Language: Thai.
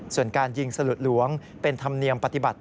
ส่วนการยิงสลุดหลวงเป็นธรรมเนียมปฏิบัติ